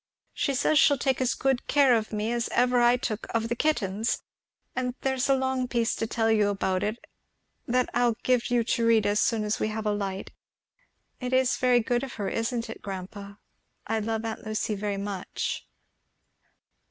She says she will take as good care of me as ever I took of the kittens. And there's a long piece to you about it, that I'll give you to read as soon as we have a light. It is very good of her, isn't it, grandpa? I love aunt Lucy very much."